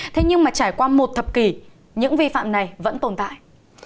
thế nhưng mà trải qua một thập kỷ những vi phạm này vẫn tồn tại